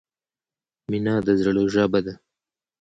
مینه د زړه ژبه ده.